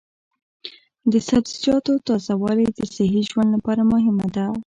د سبزیجاتو تازه والي د صحي ژوند لپاره مهمه ده.